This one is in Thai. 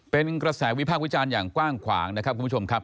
เป็นกระแสวิพากษ์วิจารณ์อย่างกว้างขวางนะครับคุณผู้ชมครับ